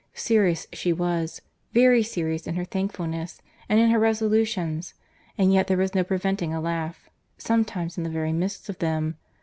Serious she was, very serious in her thankfulness, and in her resolutions; and yet there was no preventing a laugh, sometimes in the very midst of them.